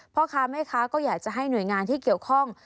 พ่อค้าแม่ค้าก็อยากจะให้หน่วยงานที่เกี่ยวข้อง